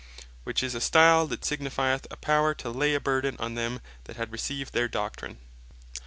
which is a stile that signifieth a Power to lay a burthen on them that had received their Doctrine.